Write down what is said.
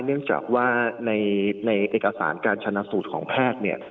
เนื่องจากว่าในเอกสารการชนะสูตรของแพทย์เนี่ย